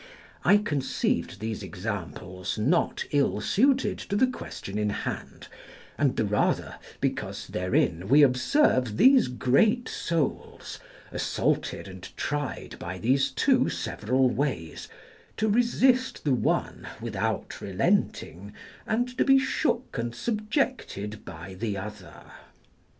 I conceived these examples not ill suited to the question in hand, and the rather because therein we observe these great souls assaulted and tried by these two several ways, to resist the one without relenting, and to be shook and subjected by the other.